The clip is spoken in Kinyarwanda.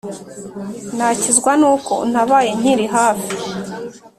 nakizwa n’uko untabaye nkiri hafi,